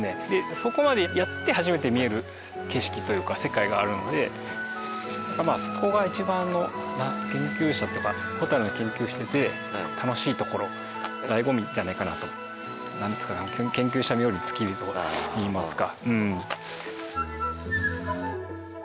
そこまでやって初めて見える景色というか世界があるのでそこが一番の研究者というかホタルの研究してて楽しいところ醍醐味じゃないかなと。なんていうかな研究者冥利に尽きるといいますか。